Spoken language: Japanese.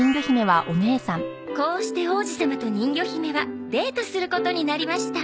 「こうして王子様と人魚姫はデートすることになりました」